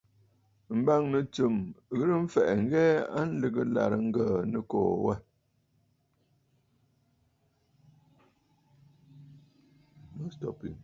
M̀bâŋnə̌ tsɨm ghɨrə mfɛ̀ʼɛ̀ ŋ̀hɛɛ a lɨ̀gə ɨlàrə Ŋgə̀ə̀ Nɨkòò wâ.